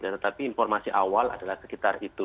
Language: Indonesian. tetapi informasi awal adalah sekitar itu